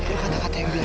keluar lu kalau berani